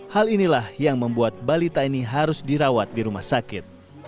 hal inilah yang membuat balita ini harus dirawat di rumah sakit